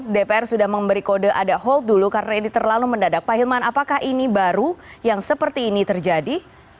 dpr sudah memberi kode ada hold dulu karena ini terlalu mendadak pak hilman apakah ini baru yang seperti ini terjadi